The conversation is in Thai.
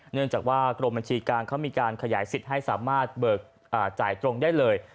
เนื่องจากว่ากรมบัญชีกลางเขามีการขยายสิทธิ์ให้สามารถเบิกจ่ายตรงได้เลย